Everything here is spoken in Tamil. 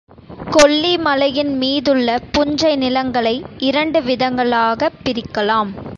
கொல்லிமலையின் மீதுள்ள புஞ்சை நிலங்களை இரண்டு விதங்களாகப் பிரிக்கலாம்.